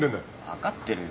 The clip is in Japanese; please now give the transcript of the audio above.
分かってるよ。